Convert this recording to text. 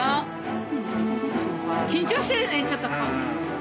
緊張してるねちょっと顔が。